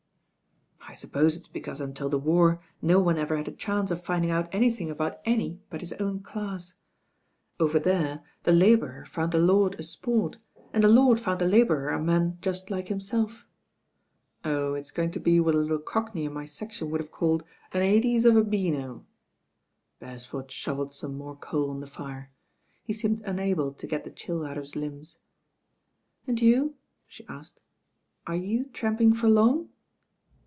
"I suppose it's because until the war no one ever had a chance of finding out anything about any but his own class. Over there the labourer found the «*THE TWO DRAGONS*' 89 lord a sport, and the lord found the labourer a man just rice himself. Oh, it's going to be what a little cockney in my section would have called 'an 'ades of a beano.' " Beresford shovelled some more coal on the fire. He seemed unable to get the chill out of his limbs. "And you," she asked, ''are you tramping for long?"